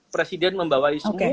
presiden membawai semua